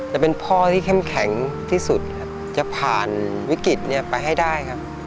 แต่เป็นพ่อที่เข้มแข็งที่สุดครับจะผ่านวิกฤตนี้ไปให้ได้ครับ